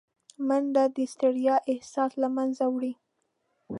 منډه د ستړیا احساس له منځه وړي